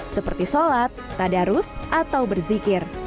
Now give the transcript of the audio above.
seperti sholat tadarus atau berzikir